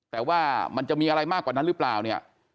แต่ว่ามันจะมีอะไรมากกว่านั้นหรือเปล่าเนี่ย